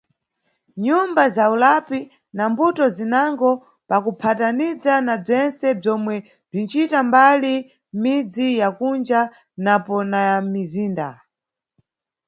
Nʼnyumba za ulapi na mbuto zinango, pakuphataniza na bzentse bzomwe bzinʼcita mbali mʼmidzi ya kunja napo na ya mʼmizinda.